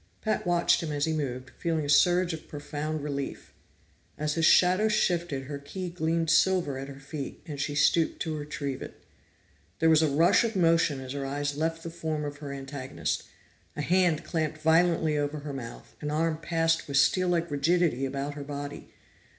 Pat watched him as he moved, feeling a surge of profound relief. As his shadow shifted, her key gleamed silver at her feet, and she stooped to retrieve it. There was a rush of motion as her eyes left the form of her antagonist. A hand was clamped violently over her mouth, an arm passed with steel like rigidity about her body.